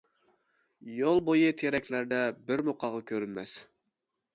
يول بويى تېرەكلەردە، بىرمۇ قاغا كۆرۈنمەس.